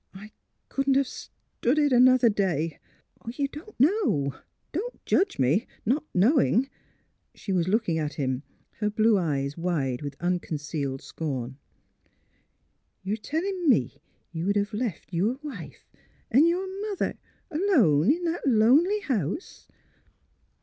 I couldn't have stood it another day. ... Oh, you don't know! Don't judge me — not knowing " She was looking at him, her blue eyes wide with unconcealed scorn. '' You are telling me you would have left your wife — and your mother, alone in that lonely house?